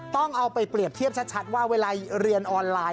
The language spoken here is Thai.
ต้องเอาไปเปรียบเทียบชัดว่าเวลาเรียนออนไลน์